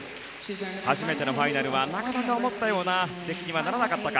初めてのファイナルはなかなか思ったような出来にはならなかったか。